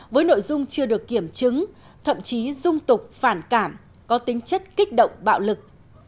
với nội dung chưa được kiểm chứng thậm chí dung tục phản cảm có tính chất kích động bạo lực